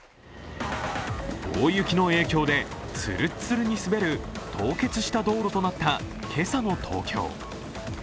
大雪の影響でつるっつるに滑る凍結した道路となった今朝の東京。